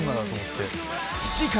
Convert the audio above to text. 次回！